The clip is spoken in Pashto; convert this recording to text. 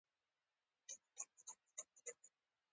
له پاسه پرې ساټني روجايي په ښکلي ډول هواره وه.